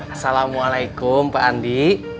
assalamualaikum pak andi